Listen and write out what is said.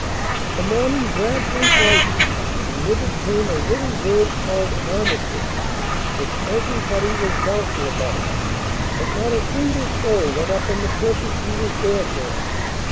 "The morning gradually brightened and with it came a little word called armistice, which everybody was doubtful about, but not a single soul let up on the purpose he was there for.